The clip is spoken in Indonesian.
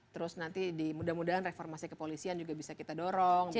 terus nanti di muda mudaan reformasi kepolisian juga bisa kita dorong makin minin gitu ya